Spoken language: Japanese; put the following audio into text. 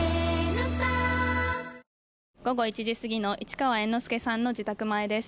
午後１時すぎの市川猿之助さんの自宅前です。